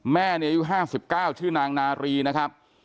ในอายุ๕๙ชื่อนางนารีนะครับ